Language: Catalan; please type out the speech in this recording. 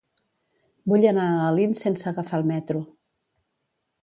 Vull anar a Alins sense agafar el metro.